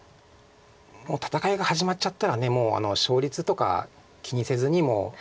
もう戦いが始まっちゃったら勝率とか気にせずにもう。